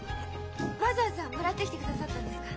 わざわざもらってきてくださったんですか？